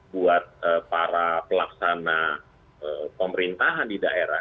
buat para pelaksana pemerintahan di daerah